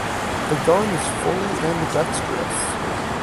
The gun is fully ambidextrous.